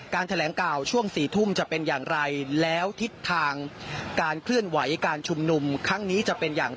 แถลงข่าวช่วง๔ทุ่มจะเป็นอย่างไรแล้วทิศทางการเคลื่อนไหวการชุมนุมครั้งนี้จะเป็นอย่าง